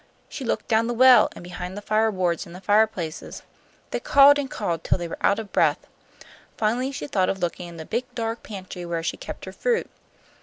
She looked down the well and behind the fire boards in the fireplaces. They called and called till they were out of breath. Finally she thought of looking in the big dark pantry where she kept her fruit.